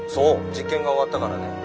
実験が終わったからね。